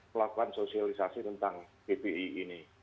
melakukan sosialisasi tentang pbi ini